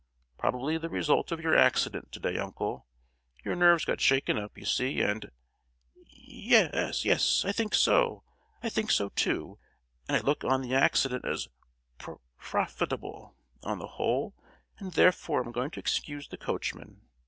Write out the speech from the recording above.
"Probably the result of your accident, to day, uncle! Your nerves got shaken up, you see, and ——" "Ye—yes, I think so, I think so too; and I look on the accident as pro—fitable, on the whole; and therefore I'm going to excuse the coachman.